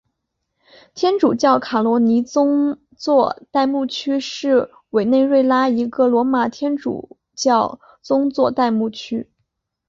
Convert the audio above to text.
天主教卡罗尼宗座代牧区是委内瑞拉一个罗马天主教宗座代牧区。